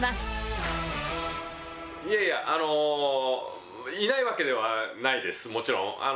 いやいや、いないわけではないです、もちろん。